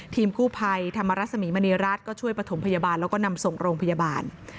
ทีมกู้ภัยธรรมรสมีมณีรัฐก็ช่วยประถมพยาบาลแล้วก็นำส่งโรงพยาบาล